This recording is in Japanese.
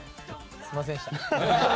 すみませんでした！